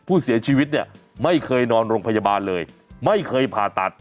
ผู้เสียชีวิตเนี่ยไม่เคยนอนโรงพยาบาลเลยไม่เคยผ่าตัด